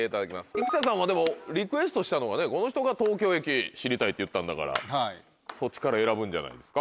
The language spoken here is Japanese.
生田さんはでもリクエストしたのはこの人が東京駅知りたいって言ったんだからそっちから選ぶんじゃないですか。